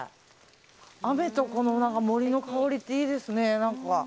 雨と森の香りっていいですね、何か。